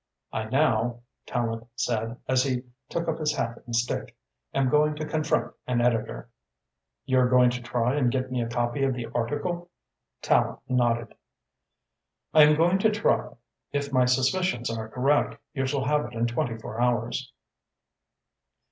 "I now," Tallente said, as he took up his hat and stick, "am going to confront an editor." "You are going to try and get me a copy of the article?" Tallente nodded. "I am going to try. If my suspicions are correct, you shall have it in twenty four hours."